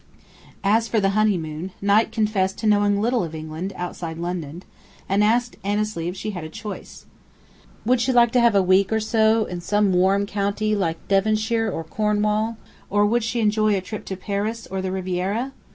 As for the honeymoon, Knight confessed to knowing little of England, outside London, and asked Annesley if she had a choice. Would she like to have a week or so in some warm county like Devonshire or Cornwall, or would she enjoy a trip to Paris or the Riviera?